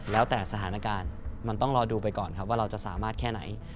แล้วแต่สถานการณ์มันต้องรอดูไปก่อนครับว่าเราจะสามารถแค่ไหน